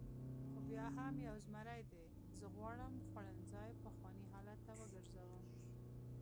خو بیا هم یو زمري دی، زه غواړم خوړنځای پخواني حالت ته وګرځوم.